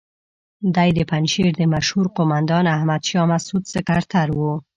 دی د پنجشیر د مشهور قوماندان احمد شاه مسعود سکرتر وو.